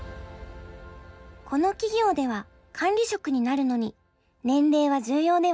この企業では管理職になるのに年齢は重要ではありません。